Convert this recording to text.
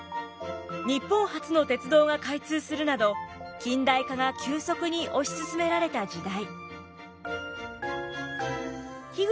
日本初の鉄道が開通するなど近代化が急速に推し進められた時代。